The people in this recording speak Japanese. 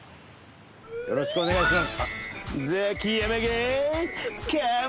よろしくお願いします。